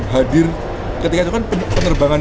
hadir ketika itu kan penerbangan